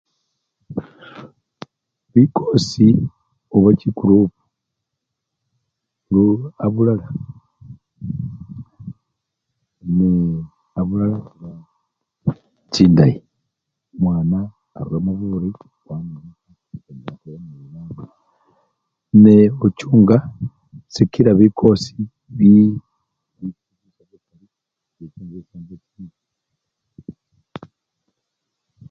Bikosi oba chikurupu, lu! abulala ee! abulala chiba chinday, omwana aruramo burii wananikha nekhurambila alala nebabandi nee! ochunga sikila bikosi bi! bisela bikali bikisya chisambo chimbi.